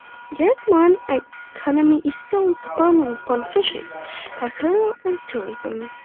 Grand Manan's economy is still dependent upon fishing, aquaculture and tourism.